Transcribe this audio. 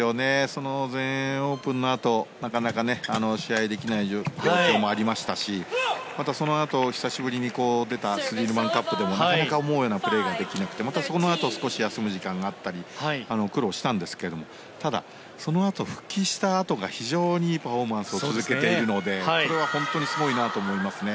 その全英オープンのあとなかなか試合できない状況もありましたしそのあと久しぶりに出た大会でもなかなか思うようなプレーができなくてまたそのあと少し休む時間があったり苦労したんですけどもただ、そのあと復帰したあとが非常にいいパフォーマンスを続けているので、これは本当にすごいなと思いますね。